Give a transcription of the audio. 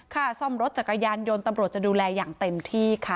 ค่าซ่อมรถจักรยานยนต์ตำรวจจะดูแลอย่างเต็มที่ค่ะ